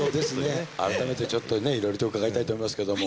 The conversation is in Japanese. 改めてちょっといろいろと伺いたいと思いますけども。